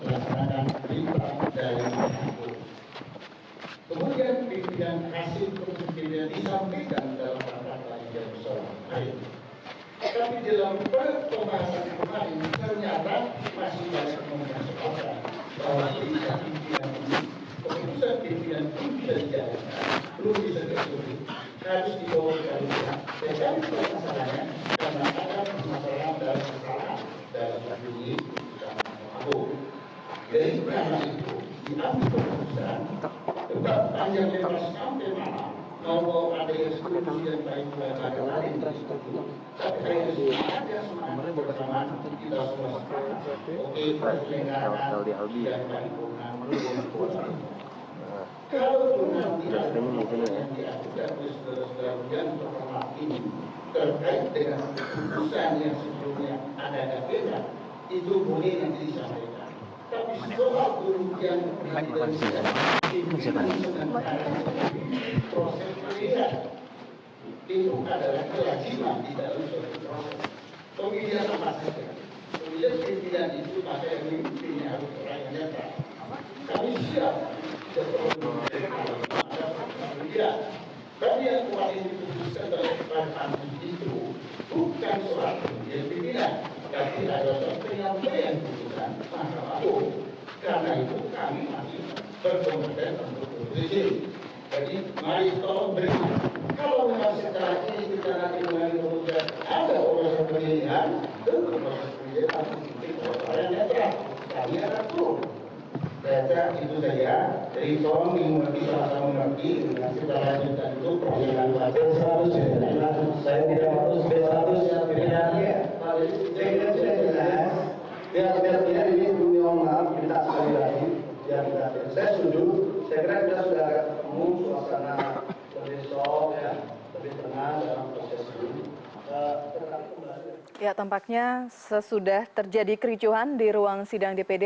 anggota pengamanan sempat masuk ke ruang sidang